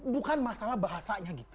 bukan masalah bahasanya gitu